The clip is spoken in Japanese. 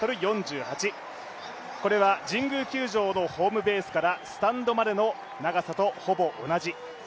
これは神宮球場のホームベースからスタンドまでの長さとほぼ同じ。